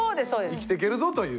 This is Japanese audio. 生きていけるぞという。